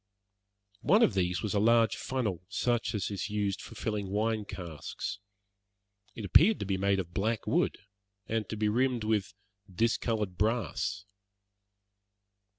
One of these was a large funnel, such as is used for filling wine casks. It appeared to be made of black wood, and to be rimmed with discoloured brass.